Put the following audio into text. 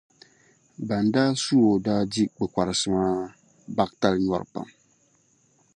Bɛn daa su o daa diri kpilikparisi maa baɣitali nyɔri pam.